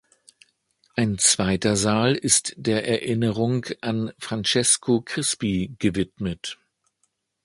Ein zweiter Saal ist der Erinnerung an Francesco Crispi gewidmet.